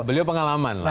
beliau pengalaman lah